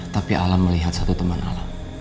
tapi alam melihat satu teman alam